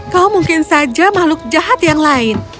kau mungkin saja makhluk jahat yang lain